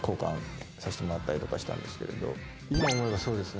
今思えばそうですね